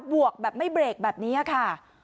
วกแบบไม่เบรกแบบนี้ค่ะ